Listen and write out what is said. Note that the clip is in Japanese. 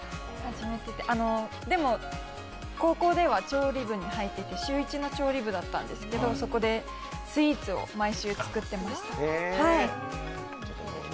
でも、高校では調理部に入っていて週一の調理部だったんですけどそこでスイーツを毎週作ってました。